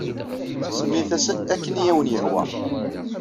Semmit-as akken ay awen-yehwa.